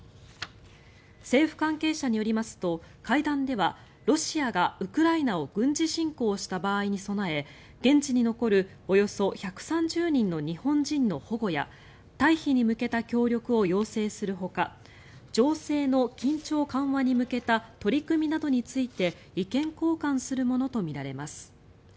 政府関係者によりますと会談ではロシアがウクライナを軍事侵攻した場合に備え現地に残るおよそ１３０人の日本人の保護や退避に向けた協力を要請するほか情勢の緊張緩和に向けた取り組みなどについて意見交換するものとみられます。